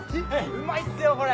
うまいっすよこれ。